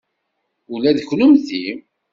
Ula d kunemti.